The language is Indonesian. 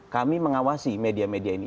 kami mengawasi media media ini